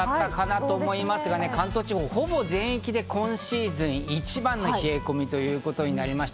今朝は寒かったかなと思いますが、関東地方ほぼ全域で今シーズン一番の冷え込みとなりました。